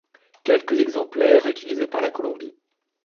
Quelques exemplaires utilisés par la Colombie.